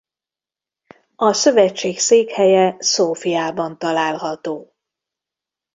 A szövetség székhelye Szófiában található.